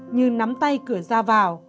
như nắm tay cửa ra vào